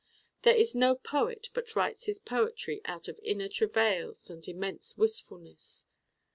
There is no poet but writes his poetry out of inner travails and immense wistfulness.